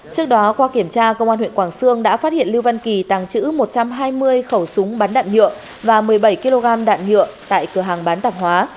trước đó qua kiểm tra công an huyện quảng sương đã phát hiện lưu văn kỳ tàng trữ một trăm hai mươi khẩu súng bắn đạn nhựa và một mươi bảy kg đạn nhựa tại cửa hàng bán tạp hóa